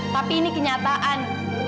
tapi ini kenyataan